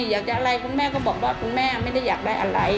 อยากจะอะไรคุณแม่ก็บอกว่าคุณแม่ไม่ได้อยากได้อะไร